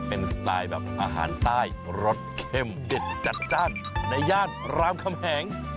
เป็นสไตล์แบบอาหารใต้รสเข้มเด็ดจัดจ้านในย่านรามคำแหง